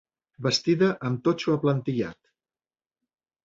Bastida amb totxo aplantillat.